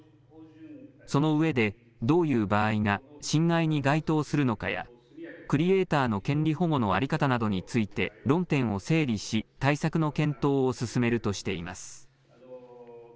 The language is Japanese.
そのうえでどういう場合が侵害に該当するのかやクリエーターの権利保護の在り方などについて論点を整理し対策の検討を進めるとしています。